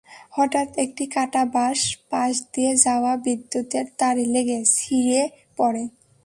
হঠাৎ একটি কাটা বাঁশ পাশ দিয়ে যাওয়া বিদ্যুতের তারে লেগে ছিঁড়ে পড়ে।